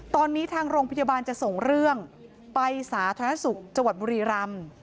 ตอนนี้ทางโรงพยาบาลจะส่งเรื่องไปสาธารณสุขจังหวัดบุรีรำ